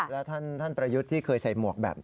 แล้วท่านประยุทธ์ที่เคยใส่หมวกแบบนี้